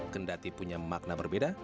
kendati punya makna berbeda